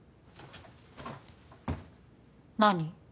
何？